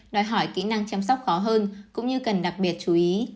đòi hỏi kỹ năng chăm sóc khó hơn cũng như cần đặc biệt chú ý